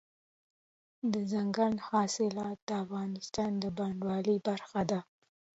دځنګل حاصلات د افغانستان د بڼوالۍ برخه ده.